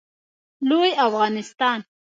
لوی افغانستان